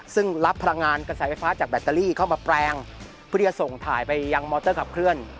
ซึ่งรับพลังงานกระแสไฟฟ้าจากแบตเตอรี่เข้ามาแปลงเพื่อที่จะส่งถ่ายไปยังมอเตอร์ขับเคลื่อน